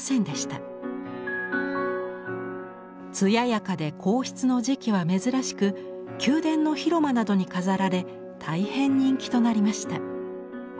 艶やかで硬質の磁器は珍しく宮殿の広間などに飾られ大変人気となりました。